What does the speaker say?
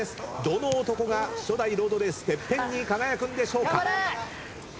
どの男が初代ロードレースＴＥＰＰＥＮに輝くんでしょうか。